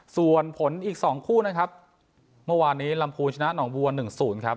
ส่วนผลอีกสองคู่นะครับเมื่อวานนี้ลำภูชนะหนองบวนหนึ่งศูนย์ครับ